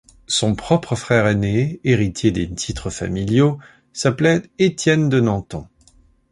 Son propre frère aîné, héritier des titres familiaux, s'appelait Étienne de Nanton.